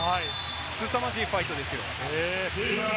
すさまじいファイトです。